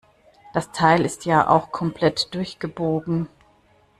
Das Teil ist ja auch komplett durchgebogen.